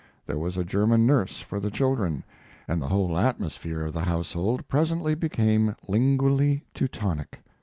There was a German nurse for the children, and the whole atmosphere of the household presently became lingually Teutonic.